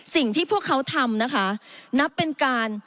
สิ่งที่พวกเขาทำนะคะนับเป็นการ